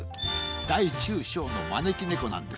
大中小のまねきねこなんです。